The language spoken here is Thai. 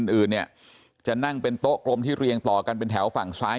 อื่นเนี่ยจะนั่งเป็นโต๊ะกรมที่เรียงต่อกันเป็นแถวฝั่งซ้าย